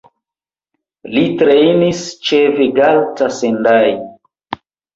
Li trejnis ĉe Vegalta Sendai.